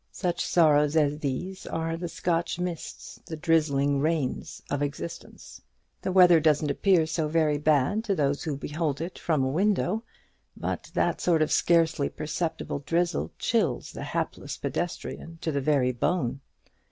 Such sorrows as these are the Scotch mists, the drizzling rains of existence. The weather doesn't appear so very bad to those who behold it from a window; but that sort of scarcely perceptible drizzle chills the hapless pedestrian to the very bone.